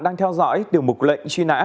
đang theo dõi điều mục lệnh truy nã